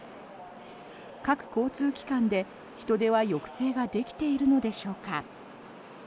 各交通機関で人出は抑制ができているのでしょうか。